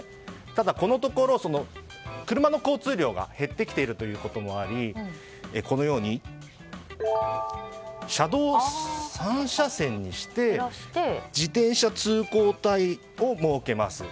ただ、このところ車の交通量が減ってきているということもありこのように車道を３車線にして自転車通行帯を設けます。